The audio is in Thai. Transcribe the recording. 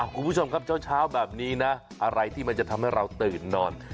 คุณผู้ชมครับเช้าแบบนี้นะอะไรที่มันจะทำให้เราตื่นนอน